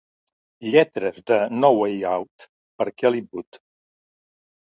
Lletres de "No Way Out" per Kelly Wood.